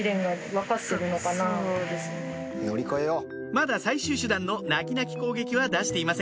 まだ最終手段の泣き泣き攻撃は出していません